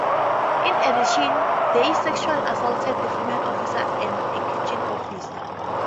In addition, they sexually assaulted the female officer and a kitchen officer.